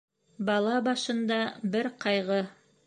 Бала башында бер ҡайғы